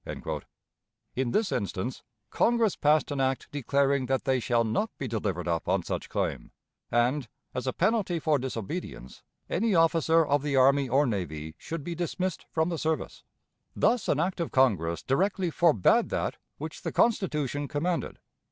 In this instance Congress passed an act declaring that they shall not be delivered up on such claim; and, as a penalty for disobedience, any officer of the army or navy should be dismissed from the service. Thus an act of Congress directly forbade that which the Constitution commanded.